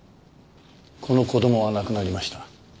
この子供は亡くなりました。